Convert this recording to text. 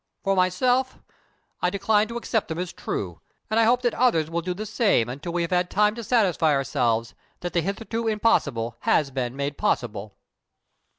For myself, I decline to accept them as true, and I hope that others will do the same until we have had time to satisfy ourselves that the hitherto impossible has been made possible."